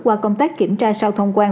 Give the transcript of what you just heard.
qua công tác kiểm tra sau thông quan